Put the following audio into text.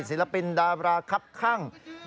ศิลปินดาราคับข้าง